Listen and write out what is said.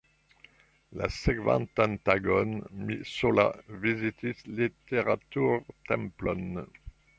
La sekvantan tagon mi sola vizitis Literatur-Templon.